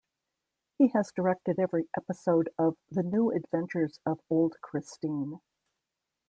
He has directed every episode of "The New Adventures of Old Christine".